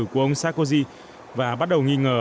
của ông sarkozy và bắt đầu nghi ngờ